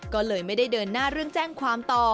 ก็เลยไม่ได้เดินหน้าเรื่องแจ้งความต่อ